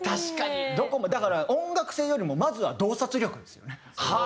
だから音楽性よりもまずは洞察力ですよね。